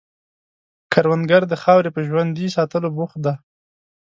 کروندګر د خاورې په ژوندي ساتلو بوخت دی